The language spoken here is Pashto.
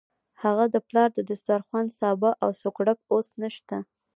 هغه د پلار د دسترخوان سابه او سوکړک اوس نشته.